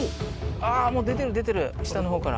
あー、もう出てる、出てる、下のほうから。